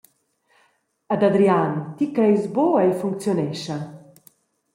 Ed Adrian, ti creis buc, ei funcziunescha.